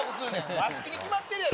和式に決まっとるやろ。